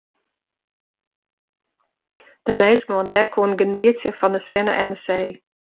De minsken oan dek koene genietsje fan de sinne en de see.